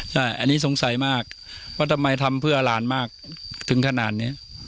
ใช่อันนี้สงสัยมากว่าทำไมทำเพื่อหลานมากถึงขนาดนี้